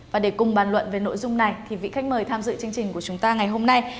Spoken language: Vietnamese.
và để cùng bàn luận về nội dung này thì vị khách mời tham dự chương trình của chúng ta ngày hôm nay